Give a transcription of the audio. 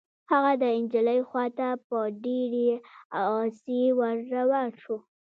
هغه د نجلۍ خوا ته په ډېرې غصې ور روان شو.